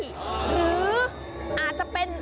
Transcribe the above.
หรืออาจจะเป็น